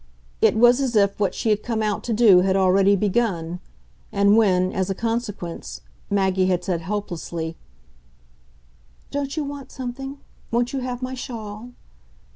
It was as if what she had come out to do had already begun, and when, as a consequence, Maggie had said helplessly, "Don't you want something? won't you have my shawl?"